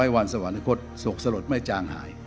๑๐๐วันสวรรค์สกสลดไม่จางหาย